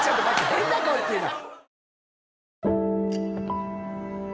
変な顔って言うな。